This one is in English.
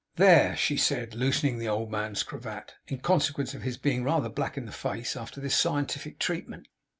'There!' she said, loosening the old man's cravat, in consequence of his being rather black in the face, after this scientific treatment.